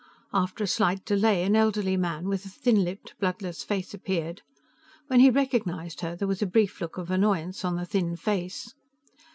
After a slight delay, an elderly man with a thin lipped, bloodless face appeared. When he recognized her, there was a brief look of annoyance on the thin face.